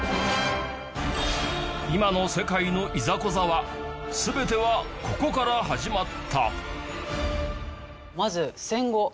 今の世界のいざこざは全てはここから始まった